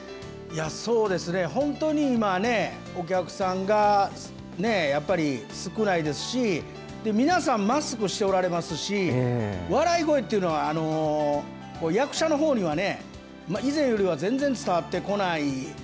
そうですね、本当に今ね、お客さんがやっぱり少ないですし、皆さん、マスクしておられますし、笑い声というのは、役者のほうにはね、以前よりは全然伝わってこない。